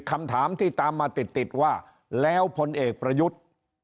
คำถามที่ตามมาติดติดว่าแล้วพลเอกประยุทธ์